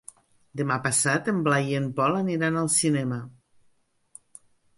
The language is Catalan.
Demà passat en Blai i en Pol aniran al cinema.